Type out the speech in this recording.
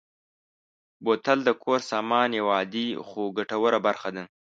بوتل د کور سامان یوه عادي خو ګټوره برخه ده.